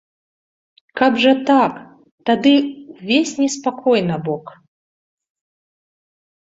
Каб жа так, тады ўвесь неспакой набок.